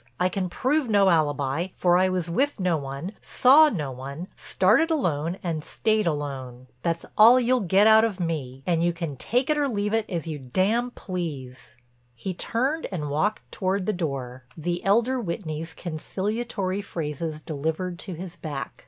I can prove no alibi, for I was with no one, saw no one, started alone and stayed alone. That's all you'll get out of me, and you can take it or leave it as you d——n please." He turned and walked toward the door, the elder Whitney's conciliatory phrases delivered to his back.